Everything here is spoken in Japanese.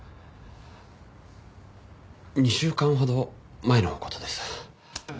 ２週間ほど前の事です。